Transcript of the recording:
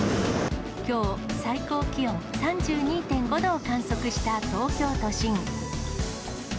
きょう、最高気温３２．５度を観測した東京都心。